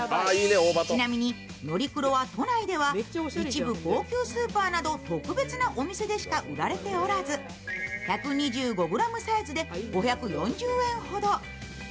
ちなみにのりクロは都内では一部高級スーパーなど特別なお店でしか売られておらず、１２５ｇサイズで５４０円ほど。